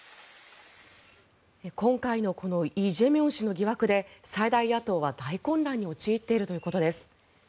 今回のこのイ・ジェミョン氏の疑惑で最大野党は大混乱に陥っているということです。